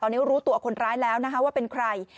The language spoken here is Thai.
ตอนนี้รู้ตัวคนร้ายแล้วนะคะว่าเป็นใคร